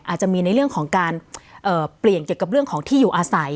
อาจจะมีในเรื่องของการเปลี่ยนเกี่ยวกับเรื่องของที่อยู่อาศัย